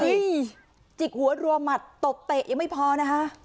ครีสจิบหัวกิร่วมหมัดตกเปะยังไม่พอนะคะ